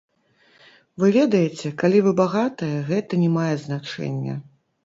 Вы ведаеце, калі вы багатыя, гэта не мае значэння.